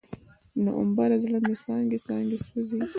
نومبره، زړه مې څانګې، څانګې سوزي